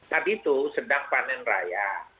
tadi itu sedang panen raya